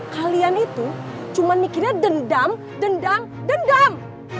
kalian itu cuma mikirnya dendam dendam dendam